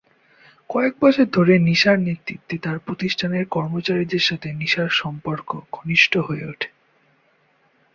কয়েক বছর ধরে নিসার নেতৃত্বে তার প্রতিষ্ঠানের কর্মচারীদের সাথে নিসার সম্পর্ক ঘনিষ্ঠ হয়ে উঠে।